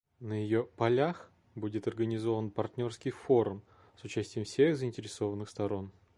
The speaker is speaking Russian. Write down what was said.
На ее «полях» будет организован партнерский форум с участием всех заинтересованных сторон.